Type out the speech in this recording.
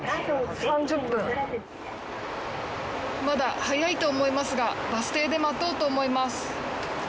まだ早いと思いますがバス停で待とうと思います。